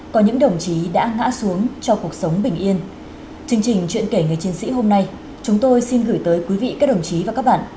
chương trình chuyện kể người chiến sĩ hôm nay chúng tôi xin gửi tới quý vị các đồng chí và các bạn